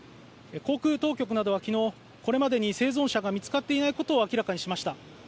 航空当局などは昨日、これまでに生存者が見つかっていないことを明らかにしました。